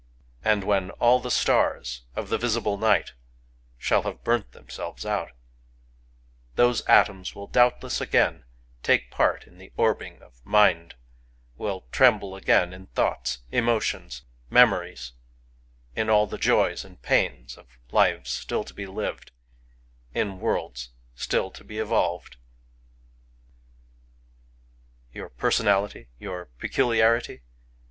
And when all the stars of the visible Night shall have burnt themselves out, those atoms will doubtless again take part in the orbing of Mind, — will tremble again in thoughts, emotions, memories, — in all the joys and pains of lives still to be lived in worlds still to be evolved. ••• Your personality ?— your peculiarity